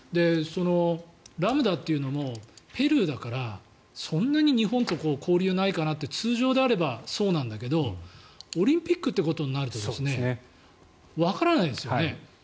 ラムダというのもペルーだからそんなに日本と交流ないかなって通常であればそうなんだけどオリンピックってことになるとわからないですよね。